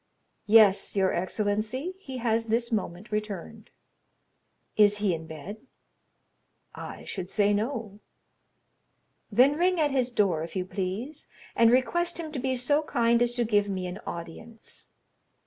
"Yes, your excellency; he has this moment returned." "Is he in bed?" "I should say no." "Then ring at his door, if you please, and request him to be so kind as to give me an audience."